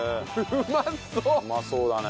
うまそうだね。